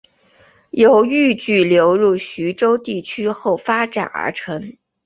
由豫剧流入徐州地区后发展而成。